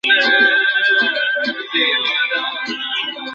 Good night, sweet Prince.